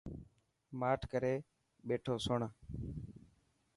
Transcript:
ماٺ ڪري بيٺو سوڻ.